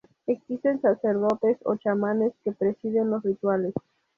Existen sacerdotes o chamanes que presiden los rituales.